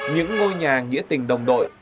những ngôi nhà nghĩa tình đồng đội